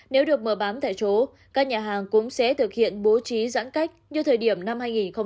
nếu được mở bán tại chỗ các nhà hàng cũng sẽ thực hiện bố trí giãn cách như thời điểm năm hai nghìn hai mươi